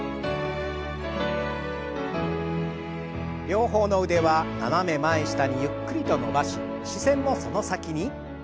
両方の腕は斜め前下にゆっくりと伸ばし視線もその先に。